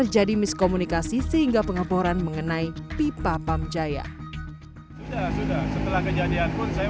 jadi miskomunikasi sehingga pengaporan mengenai pipa pamjaya sudah sudah setelah kejadian pun saya